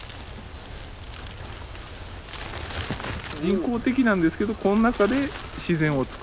人工的なんですけどこの中で自然を作る。